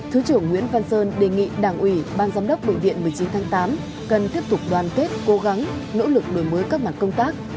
thứ trưởng nguyễn văn sơn đề nghị đảng ủy ban giám đốc bệnh viện một mươi chín tháng tám cần tiếp tục đoàn kết cố gắng nỗ lực đổi mới các mặt công tác